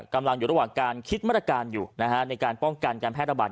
กำลังอยู่ระหว่างการคิดมาตรการอยู่ในการป้องกันการแพร่ระบาด